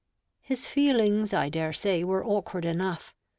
His feelings, I dare say, were awkward enough.